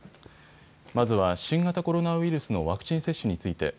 まずは新型コロナウイルスのワクチン接種について。